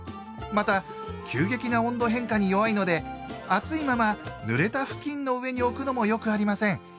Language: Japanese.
また急激な温度変化に弱いので熱いままぬれた布巾の上に置くのも良くありません。